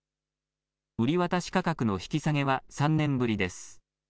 売り渡し価格の引き下げは３年ぶりです。